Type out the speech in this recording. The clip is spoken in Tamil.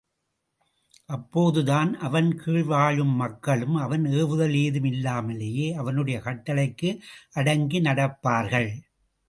அப்போதுதான் அவன் கீழ் வாழும் மக்களும் அவன் ஏவுதல் ஏதும் இல்லாமலேயே அவனுடைய கட்டளைக்கு அடங்கி நடப்பார்கள்!